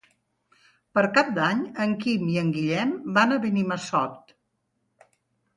Per Cap d'Any en Quim i en Guillem van a Benimassot.